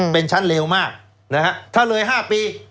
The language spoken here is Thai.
เป็นชั้นเลวมากถ้าเรือย๕ปี